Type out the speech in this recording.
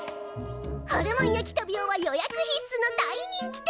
ホルモン焼トビオは予約必須の大人気店！